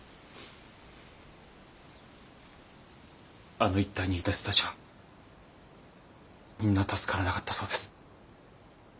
あの一帯にいた人たちはみんな助からなかったそうです。